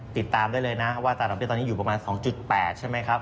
ติดตามได้เลยนะว่าตราดอกเบี้ตอนนี้อยู่ประมาณ๒๘ใช่ไหมครับ